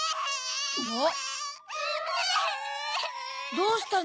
どうしたの？